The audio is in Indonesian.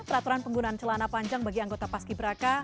peraturan penggunaan celana panjang bagi anggota paski beraka